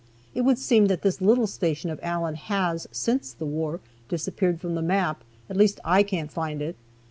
It would seem that this little station of Allen has, since the war, disappeared from the map, at least, I can't find it.